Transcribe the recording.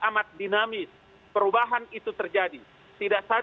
amat dinamis perubahan itu terjadi